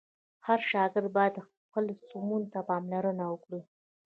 هر شاګرد باید خپل سمون ته پاملرنه وکړه.